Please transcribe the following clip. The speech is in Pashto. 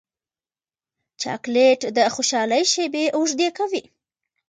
چاکلېټ د خوشحالۍ شېبې اوږدې کوي.